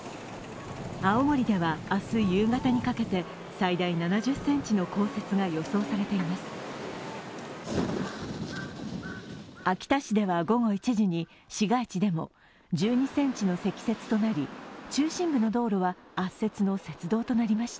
青森では明日夕方にかけて最大７０ｃｍの降雪が予想されています。